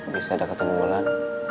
bisa ada ketiduran